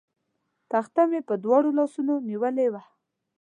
تخته مې په دواړو لاسونو نیولې وه.